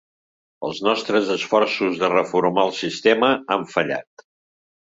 Els nostres esforços de reformar el sistema han fallat.